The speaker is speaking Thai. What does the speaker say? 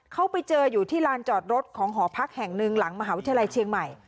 เขาไปเจออยู่ที่ลานจอดรถของหอพักแห่งหนึ่งหลังมหาวิทยาลัยเชียงใหม่